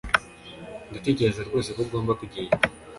Ndatekereza rwose ko ugomba kugenda